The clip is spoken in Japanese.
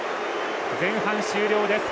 前半終了です。